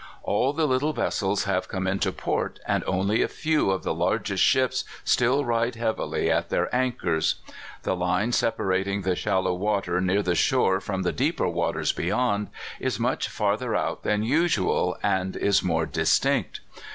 All the little vessels have come into port, and only a few of the largest ships still ride heavily at their an chors. The line separating the shallow water near the shore from the deeper waters beyond is much farther out than usual, and is more distinct.